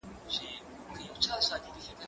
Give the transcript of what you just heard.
زه اوږده وخت کتابونه لوستل کوم؟!